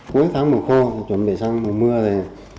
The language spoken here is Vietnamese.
cuối tháng mùa khô chuẩn bị sang mùa mưa thì